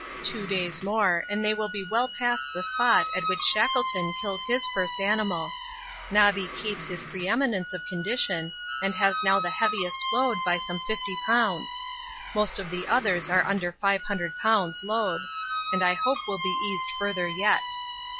Two days more and they will be well past the spot at which Shackleton killed his first animal. Nobby keeps his pre eminence of condition and has now the heaviest load by some 50 lbs.; most of the others are under 500 lbs. load, and I hope will be eased further yet.